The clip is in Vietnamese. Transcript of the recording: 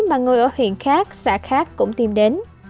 mà ngồi ở huyện khác xã khác cũng tìm đến